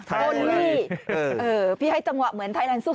คนที่พี่ให้จังหวะเหมือนไทยแลนดสู้